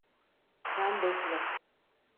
Sen bekle.